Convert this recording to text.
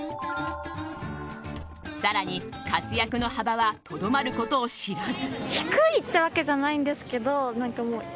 更に、活躍の幅はとどまることを知らず。